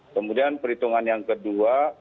kemudian perhitungan yang kedua